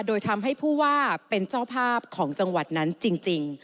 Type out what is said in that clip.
โดยทำให้ผู้ว่าเป็นเจ้าภาพของจังหวัดนั้นจริง